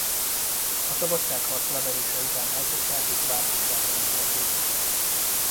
A szabadságharc leverése után elfogták és várfogságra ítélték.